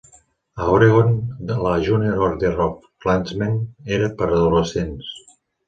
A Oregon, la "Junior Order of Klansmen" era per adolescents.